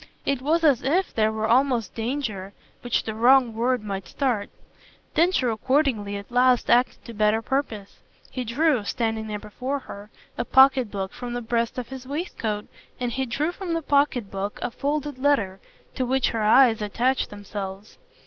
It was as if there were almost danger, which the wrong word might start. Densher accordingly at last acted to better purpose: he drew, standing there before her, a pocket book from the breast of his waistcoat and he drew from the pocket book a folded letter to which her eyes attached themselves.